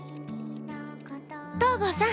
東郷さん